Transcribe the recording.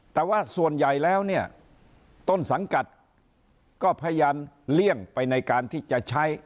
แต่ว่าส่วนใหญ่แล้วเนี่ยต้นสังกัดก็พยายามเลี่ยงไปในการที่จะใช้